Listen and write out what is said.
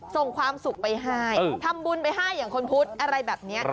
ส่งความสุขไปให้ทำบุญไปให้อย่างคนพุทธอะไรแบบนี้